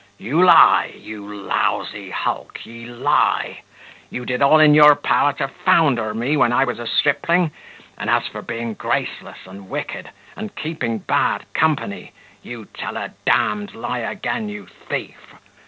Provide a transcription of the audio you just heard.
You lie, you lousy hulk! ye lie! you did all in your power to founder me when I was a stripling; and as for being graceless and wicked, and keeping bad company, you tell a d d lie again, you thief!